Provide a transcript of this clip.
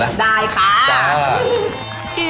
ได้ค่ะจ้า